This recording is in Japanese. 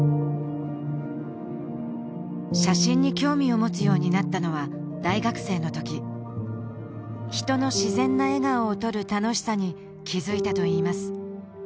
写真に興味を持つようになったのは大学生の時人の自然な笑顔を撮る楽しさに気づいたといいます